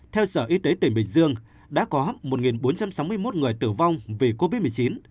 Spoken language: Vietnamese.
theo sở y tế tỉnh bình dương đã có một bốn trăm sáu mươi một người tử vong vì covid một mươi chín